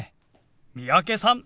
三宅さん